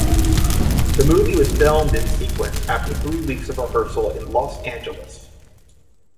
The movie was filmed in sequence after three weeks of rehearsal in Los Angeles.